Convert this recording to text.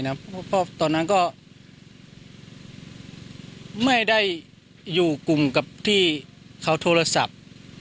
เพราะตอนนั้นก็ไม่ได้อยู่กลุ่มกับที่เขาโทรศัพท์